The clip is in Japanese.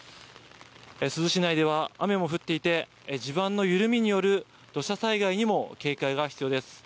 珠洲市内では雨も降っていて、地盤の緩みによる土砂災害にも警戒が必要です。